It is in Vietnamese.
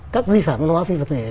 các di sản văn hóa phi vật thể